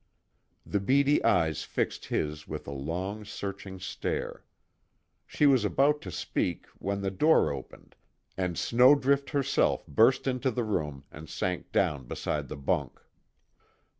The beady eyes fixed his with a long, searching stare. She was about to speak when the door opened and Snowdrift herself burst into the room and sank down beside the bunk.